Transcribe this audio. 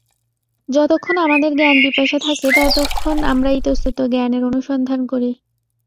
যতক্ষণ আমাদের জ্ঞানপিপাসা থাকে, ততক্ষণ আমরা ইতস্তত জ্ঞানের অনুসন্ধান করি।